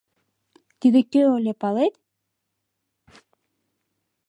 — Тиде кӧ ыле, палет?